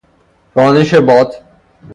رانش باد